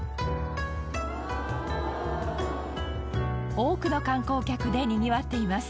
多くの観光客でにぎわっています。